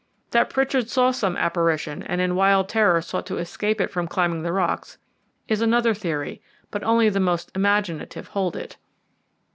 That Pritchard saw some apparition, and in wild terror sought to escape from it by climbing the rocks, is another theory, but only the most imaginative hold it."